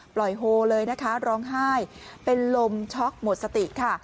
ปล่อยโฮล์เลยนะคะร้องไห้เป็นลมช็อคหมดสติกค่ะ